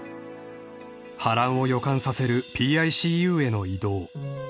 ［波乱を予感させるＰＩＣＵへの移動］